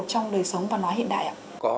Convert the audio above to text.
trong đời sống văn hóa hiện đại ạ